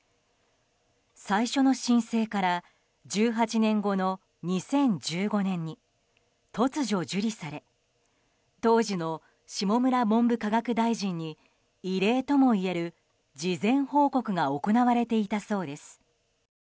最初の申請から１８年後の２０１５年に突如、受理され当時の下村文部科学大臣に異例ともいえる、事前報告が行われていたそうです。